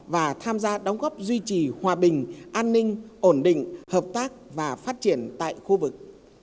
và tham gia đóng góp duy trì hòa bình an ninh ổn định hợp tác và phát triển tại khu vực